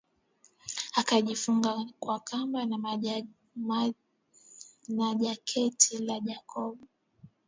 Akajifunga kwa Kamba na jaketi la Jacob